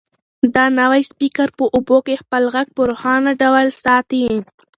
دا نوی سپیکر په اوبو کې هم خپل غږ په روښانه ډول ساتي.